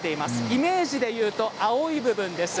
イメージでいうと青い部分です。